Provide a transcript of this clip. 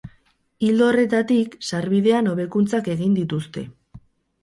Ildo horretatik, sarbidean hobekuntzak egin dituzte.